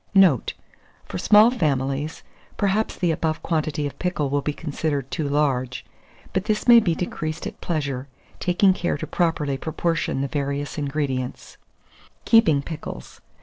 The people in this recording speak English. __Note_. For small families, perhaps the above quantity of pickle will be considered too large; but this may be decreased at pleasure, taking care to properly proportion the various ingredients. [Illustration: INDIA PICKLE.] KEEPING PICKLES.